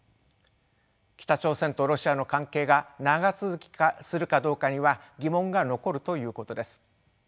北朝鮮とロシアの関係が長続きするかどうかには疑問が残るということです。